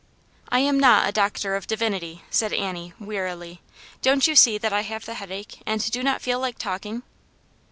I am not a doctor of divinity," said Annie, wfearily. " Don't you see that I have the headache, and do not feel like talking